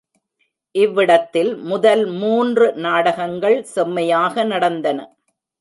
இவ்விடத்தில் முதல் மூன்று நாடகங்கள் செம்மையாக நடந்தன.